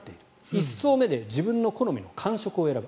１層目で自分の好みの感触を選ぶ。